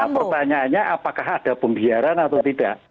pertanyaannya apakah ada pembiaran atau tidak